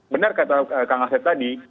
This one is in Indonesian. benar kata kang asep tadi